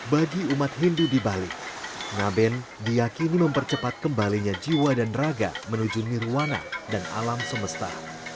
bagi umat hindu di bali ngaben diakini mempercepat kembalinya jiwa dan raga menuju nirwana dan alam semesta